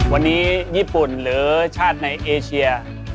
วันนี้ญี่ปุ่นหรือชาติในเอเชีย